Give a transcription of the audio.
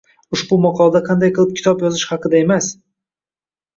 Ushbu maqolada qanday qilib kitob yozish haqida emas